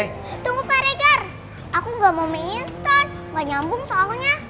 eh tunggu pak regar aku nggak mau mie instan gak nyambung soalnya